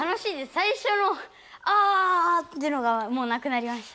さいしょの「あ」ってのがもうなくなりました。